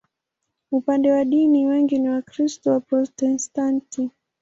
Upande wa dini, wengi ni Wakristo Waprotestanti.